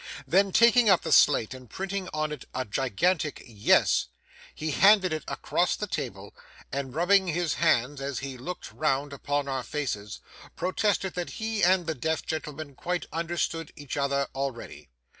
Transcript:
Then taking up the slate and printing on it a gigantic 'Yes,' he handed it across the table, and rubbing his hands as he looked round upon our faces, protested that he and the deaf gentleman quite understood each other, already.